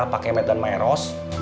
pak kemet dan maeros